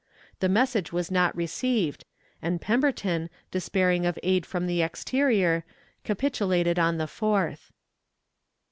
The message was not received, and Pemberton, despairing of aid from the exterior, capitulated on the 4th.